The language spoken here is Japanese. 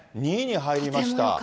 ２位に入りました。